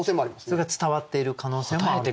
それが伝わっている可能性もある。